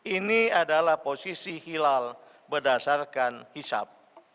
ini adalah posisi hilal berdasarkan hisap